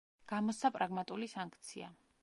გამოსცა პრაგმატული სანქცია.